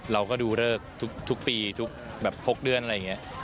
เราก็ดูเลิกทุกปีทุกแบบ๖เดือนอะไรอย่างนี้